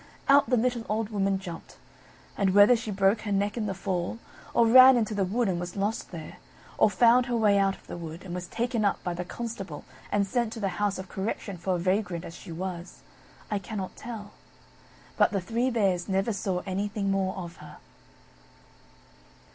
Out the little old Woman jumped; and whether she broke her neck in the fall; or ran into the wood and was lost there; or found her way out of the wood, and was taken up by the constable and sent to the House of Correction for a vagrant as she was, I cannot tell. But the Three Bears never saw anything more of her.